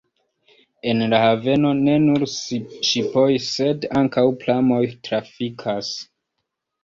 En la haveno ne nur ŝipoj, sed ankaŭ pramoj trafikas.